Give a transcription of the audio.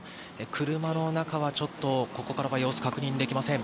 車の中はちょっとここからは様子が確認できません。